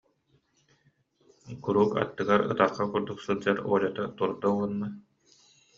Куруук аттыгар ытарҕа курдук сылдьар Олята турда уонна: